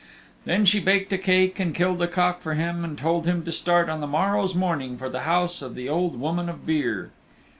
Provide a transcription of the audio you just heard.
Then she baked a cake and killed a cock for him and told him to start on the morrow's morning for the house of the Old Woman of Beare.